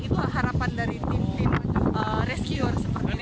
itu harapan dari tim tim rescure